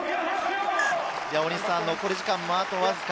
残り時間もあとわずか。